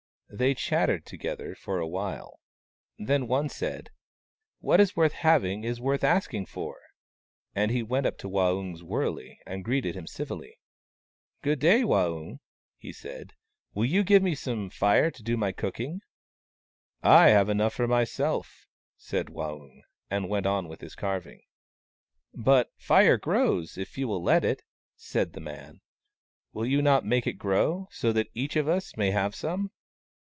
They chat tered together for a while. Then one said, " What is worth having is worth asking for "; and he went up to Waung's wurley and greeted him civilly. " Good day, Waung," he said. " Will you give me some fire to do my cooking ?"" I have only enough for myself," said Waung, and went on with his carving. " But Fire grows, if you will let it," said the man. " Will you not make it grow, so that each of us may have some